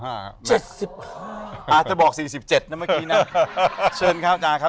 อาจจะบอก๔๗นะเมื่อกี้นะครับ